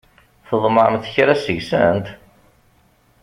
Tḍemɛemt kra seg-sent?